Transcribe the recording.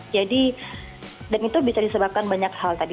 jadi dan itu bisa disebabkan banyak hal tadi